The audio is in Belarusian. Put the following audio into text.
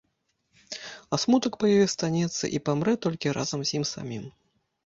А смутак па ёй астанецца і памрэ толькі разам з ім самім.